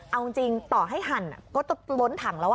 เอาจริงต่อให้หั่นก็ต้องล้นถังแล้ว